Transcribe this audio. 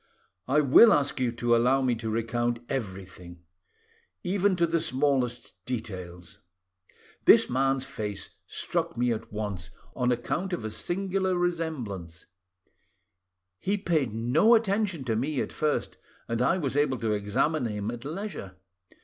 I will ask you to allow me to recount everything; even to the smallest details. This man's face struck me at once, on account of a singular resemblance; he paid no attention to me at first, and I was able to examine him at leisure.